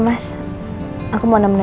tidak ada masalah